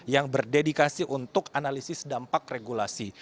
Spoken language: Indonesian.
yang berdedikasi untuk analisis dampak regulasi